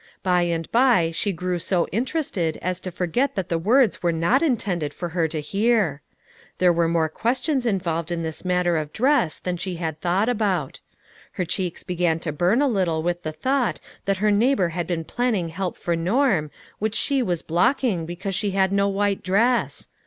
By and by she grew so interested as to forget that the words were not intended for her to hear. There were more questions involved in this matter of dress than she had thought about. Her cheeks began to burn a little with the thought that her neighbor had been planning help for Norm, which she was blocking because she had no white dress